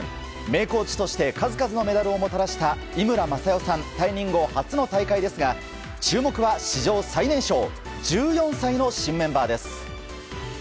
名コーチとして数々のメダルをもたらした井村雅代さん退任後初の大会ですが注目は史上最年少、１４歳の新メンバーです。